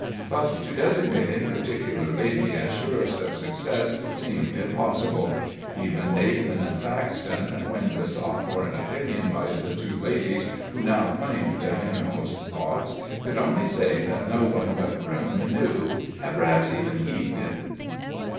But to designate any particular lady as surest of success seemed impossible. Even Nathan and Faxton, when besought for an opinion by the two ladies who now claimed their innermost thoughts, could only say that no one but Crewne knew, and perhaps even he didn't.